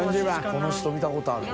この人見たことあるな。